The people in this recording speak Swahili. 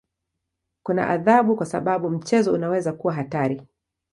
Kuna adhabu kwa sababu mchezo unaweza kuwa hatari.